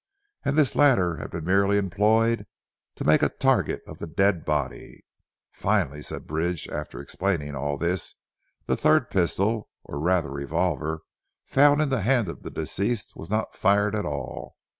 And this latter had been merely employed to make a target of the dead body. "Finally," said Bridge after explaining all this, "the third pistol or rather revolver found in the hand of the deceased, was not fired at all.